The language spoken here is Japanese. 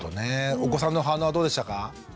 お子さんの反応はどうでしたか？